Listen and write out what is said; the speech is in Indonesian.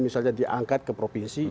misalnya diangkat ke provinsi